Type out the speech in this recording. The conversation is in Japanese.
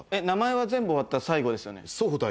名前は全部終わった最後ですよね。